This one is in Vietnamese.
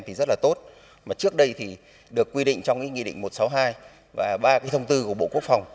thì rất là tốt mà trước đây thì được quy định trong cái nghị định một trăm sáu mươi hai và ba cái thông tư của bộ quốc phòng